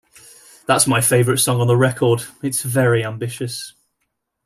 That's my favorite song on the record - it's very ambitious.